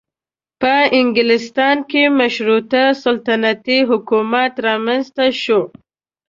په انګلستان کې مشروطه سلطنتي حکومت رامنځته شو.